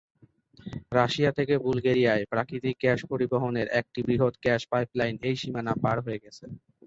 Russia থেকে বুলগেরিয়ায় প্রাকৃতিক গ্যাস পরিবহনের একটি বৃহৎ গ্যাস পাইপলাইন এই সীমানা পার হয়ে গেছে।